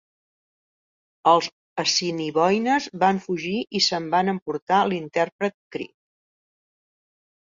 Els assiniboines van fugir i se'n van emportar l'intèrpret Cree.